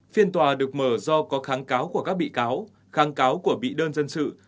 phiên tòa được mở do có kháng cáo của các bị cáo kháng cáo của bị đơn dân sự